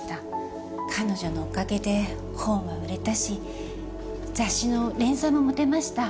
彼女のおかげで本は売れたし雑誌の連載も持てました。